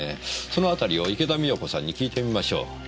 そのあたりを池田美代子さんに訊いてみましょう。